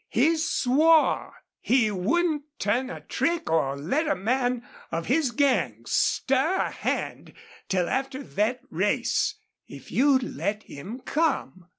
He swore he wouldn't turn a trick or let a man of his gang stir a hand till after thet race, if you'd let him come."